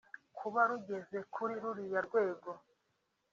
Kuba bigeze kuri ruriya rwego